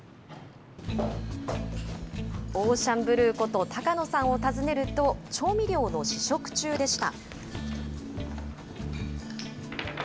オーシャンブルーこと、高野さんを訪ねると、調味料の試食中でした。